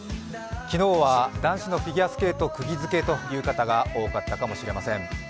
昨日は男子のフィギュアスケートくぎづけという方も多かったかもしれません。